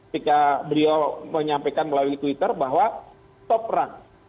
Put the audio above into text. ketika beliau menyampaikan melalui twitter bahwa stop perang